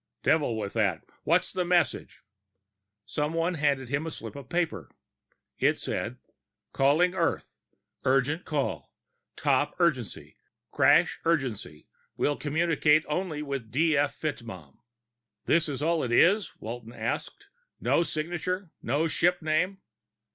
"Devil with that. Where's the message?" Someone handed him a slip of paper. It said, Calling Earth. Urgent call, top urgency, crash urgency. Will communicate only with D. F. FitzMaugham. "This all it is?" Walton asked. "No signature, no ship name?"